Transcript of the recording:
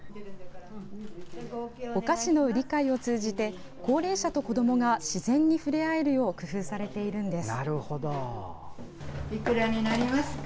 お菓子の売り買いを通じて高齢者と子どもが自然に触れ合えるよう工夫されているんです。